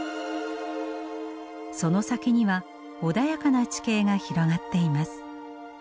その先には穏やかな地形が広がっています。